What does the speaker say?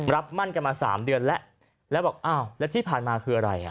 มั่นกันมา๓เดือนแล้วแล้วบอกอ้าวแล้วที่ผ่านมาคืออะไรอ่ะ